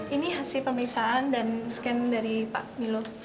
ini hasil pemisahan dan scan dari pak milo